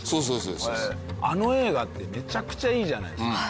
あの映画ってめちゃくちゃいいじゃないですか。